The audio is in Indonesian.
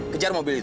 kejar mobil itu